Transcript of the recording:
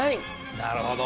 なるほど。